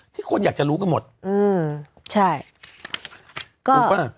ที่คนอยากจะรู้กันหมดใช่ก็รู้ปะ